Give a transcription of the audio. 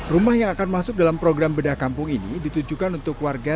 rumah yang akan masuk dalam program bedah kampung ini ditujukan untuk warga